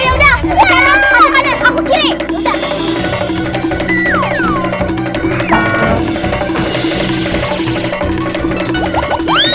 oh ya udah sekarang aku kanan aku kiri